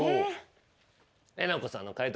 えなこさんの解答